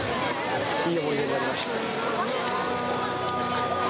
いい思い出になりました。